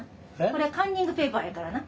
これカンニングペーパーやからな。